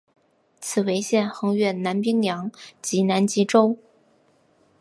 此纬线横越南冰洋及南极洲。